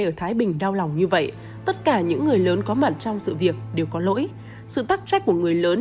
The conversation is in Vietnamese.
ở thái bình đau lòng như vậy tất cả những người lớn có mặt trong sự việc đều có lỗi sự tắc trách của người lớn